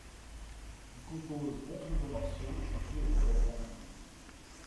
Ils composent onze nouveaux morceaux, écrits au cours de la dernière année.